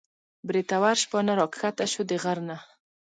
بریتور شپانه راکښته شو د غر نه